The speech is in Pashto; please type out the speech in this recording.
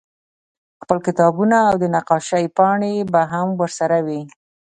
خپل کتابونه او د نقاشۍ پاڼې به هم ورسره وې